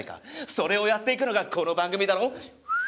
それをやっていくのがこの番組だろ。